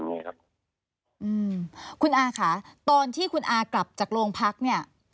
อืมคุณอาค่ะตอนที่คุณอากลับจากโรงพักเนี่ย